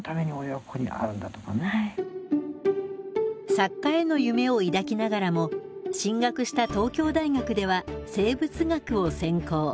作家への夢を抱きながらも進学した東京大学では生物学を専攻。